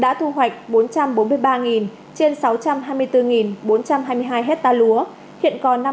đã thu hoạch bốn trăm bốn mươi ba trên sáu trăm hai mươi bốn bốn trăm hai mươi hai hecta lúa